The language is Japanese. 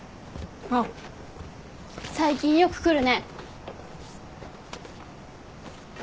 あっ最近よく来るね。